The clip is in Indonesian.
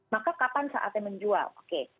maka kapan saatnya menjual oke